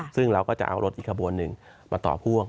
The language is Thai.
ซึ่งเราก็จะเอารถอีกขบวนหนึ่งมาต่อพ่วง